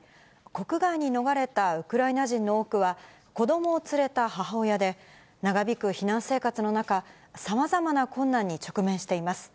国外に逃れたウクライナ人の多くは、子どもを連れた母親で、長引く避難生活の中、さまざまな困難に直面しています。